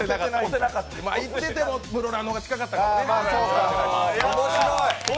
いってても、室蘭の方が近かったからね。